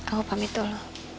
aku pamit dulu